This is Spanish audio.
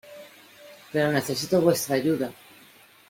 Pero necesito vuestra ayuda.